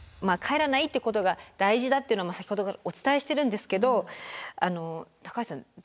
まあ帰らないってことが大事だっていうのも先ほどからお伝えしてるんですけど高橋さん